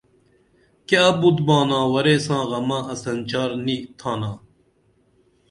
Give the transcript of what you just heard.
کیہ ابُت بانا ورے ساں غمہ اسن چار نی تھانا